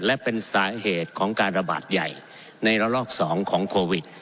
และเป็นสาเหตุของการระบาดใหญ่ในระลอก๒ของโควิด